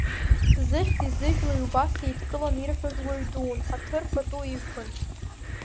Зыхьӡи зыжәлеи убас еидкылан ирҳәоз уаҩ дуун, ҳаҭыр-пату иқәын.